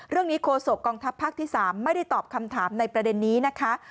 เรื่องนี้โคโสปกองทัพภาคที่๓ไม่ได้ตอบคำถามในประเด็นนี้นะคะ